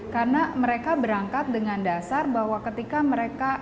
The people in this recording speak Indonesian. karena mereka berangkat dengan dasar bahwa ketika mereka